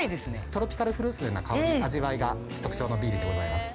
トロピカルフルーツのような香り味わいが特徴のビールでございます。